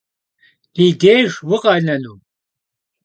Di dêjj vukhenenu?